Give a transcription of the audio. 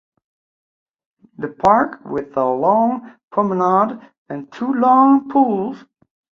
The park with a long promenade and two long pools.